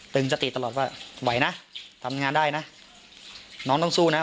สติตลอดว่าไหวนะทำงานได้นะน้องต้องสู้นะ